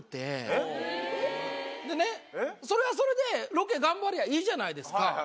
えっ？でねそれはそれでロケ頑張ればいいじゃないですか。